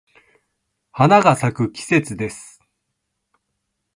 花が咲く季節です。